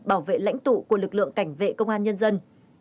bảo vệ lãnh tụ của lực lượng cảnh vệ công an nhân dân